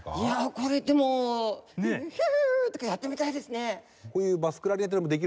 これでも「ヒヒン」とかやってみたいですね。